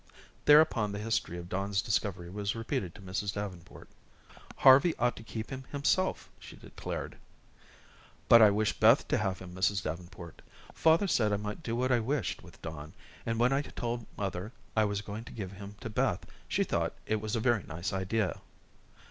Thereupon the history of Don's discovery was repeated to Mrs. Davenport. "Harvey ought to keep him himself," she declared. "But I wish Beth to have him, Mrs. Davenport. Father said I might do what I wished with Don, and when I told mother I was going to give him to Beth, she thought it a very nice idea."